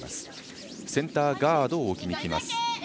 センターガードを置きにいきます。